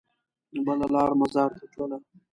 بله لار مزار ته تلله.